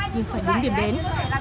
nhưng phải đứng điểm đến